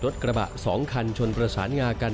รถกระบะ๒คันชนประสานงากัน